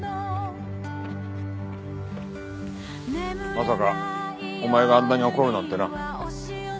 まさかお前があんなに怒るなんてな。